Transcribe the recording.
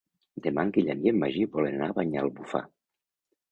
Demà en Guillem i en Magí volen anar a Banyalbufar.